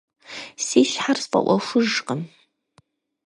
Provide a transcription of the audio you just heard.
Си щхьэр сфӀэӀуэхужкъым.